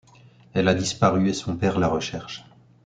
Elle a disparu et son père la recherche.